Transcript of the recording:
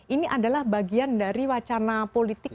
ini adalah bagian dari wacana politik